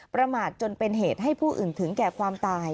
ประมาทจนเป็นเหตุให้ผู้อื่นถึงแก่ความตาย